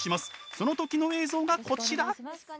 その時の映像がこちら。